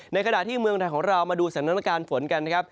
ในขณะที่เมืองไทยของเรามาดูสถานการณ์ฝนกันนะครับ